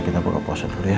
kita buka puasa dulu ya